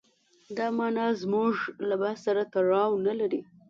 دا معنا زموږ له بحث سره تړاو نه لري.